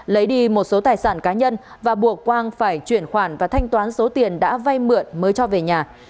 lấy đi một số tài sản cá nhân và buộc quang phải chuyển khoản và thanh toán số tiền đã vay mượn mới cho về nhà